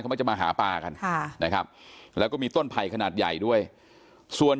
มักจะมาหาปลากันค่ะนะครับแล้วก็มีต้นไผ่ขนาดใหญ่ด้วยส่วน